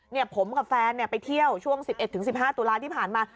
เนี่ยผมกับแฟนไปเที่ยวช่วง๑๑๑๕ตุลาที่ผ่านมา